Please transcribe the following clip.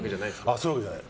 そういうわけじゃない。